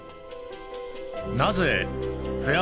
なぜフェア